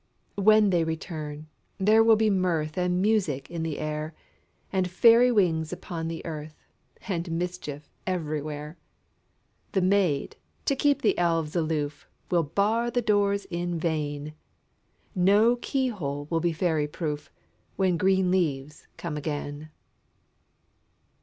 When they return, there will be mirth And music in the air, And fairy wings upon the earth, And mischief everywhere. The maids, to keep the elves aloof, Will bar the doors in vain ; No key hole will be fairy proof, When green leaves come again.